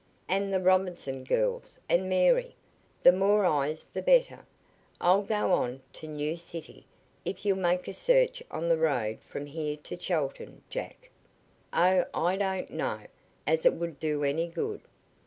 And the Robinson girls, and Mary. The more eyes, the better. I'll go on to New City, if you'll make a search on the road from here to Chelton, Jack." "Oh, I don't know as it would do any good."